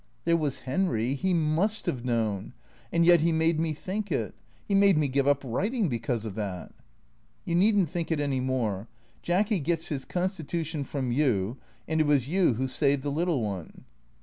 " There was Henry. He must have known. And yet he made me think it. He made me give up writing because of that." " You need n't think it any more. Jacky gets his constitution from you, and it was you who saved the little one."